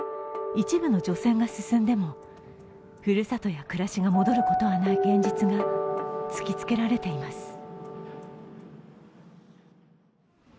一部の除染が進んでも、ふるさとや暮らしが戻ることのない現実が突きつけられています。